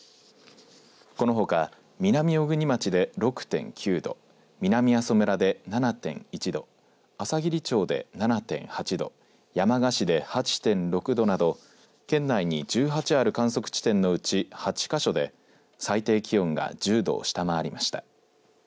このほか南小国町で６．９度南阿蘇村で７．１度あさぎり町で７．８度山鹿市で８．６度など県内に１８ある観測地点のうち８か所で最低気温が１０度を下回りました。